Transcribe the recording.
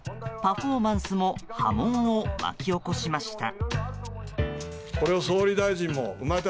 パフォーマンスも波紋を巻き起こしました。